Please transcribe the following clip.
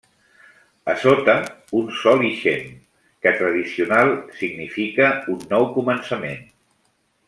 A sota, un sol ixent, que tradicional significa un nou començament.